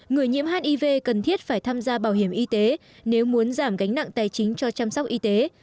người nhiễm hiv cần thiết phải tham gia bảo hiểm y tế nếu muốn giảm gánh nặng tài chính cho chăm sóc y tế